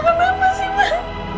kenapa sih mak